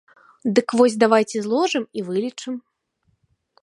Дык вось давайце зложым і вылічым.